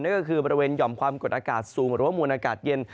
บริเวณหย่อมความกดอากาศสูงหรือว่ามวลอากาศเย็น